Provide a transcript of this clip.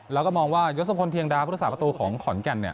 แล้วก็มองว่ายศพลเทียงดาพุทธศาสประตูของขอนแก่น